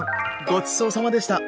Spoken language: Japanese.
ごちそうさまでした。